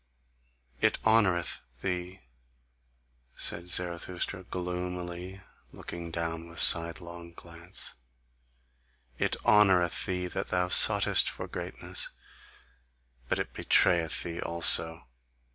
"It honoureth thee," said Zarathustra gloomily, looking down with sidelong glance, "it honoureth thee that thou soughtest for greatness, but it betrayeth thee also.